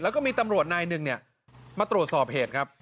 แล้วก็มีตำรวจนายหนึ่งมาตรวจสอบเหตุครับ